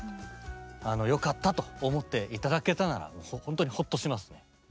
「良かった」と思って頂けたならほんとにホッとしますね。